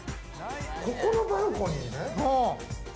ここのバルコニーね。